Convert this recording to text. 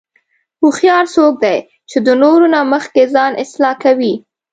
هوښیار څوک دی چې د نورو نه مخکې ځان اصلاح کوي.